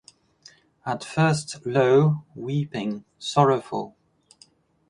At first low, weeping, sorrowful.